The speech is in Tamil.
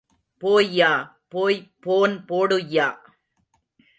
போய்யா... போய் போன் போடுய்யா.